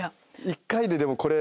１回ででもこれ。